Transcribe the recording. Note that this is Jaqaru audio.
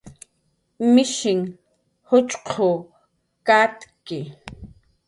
Mishinh juchqw katki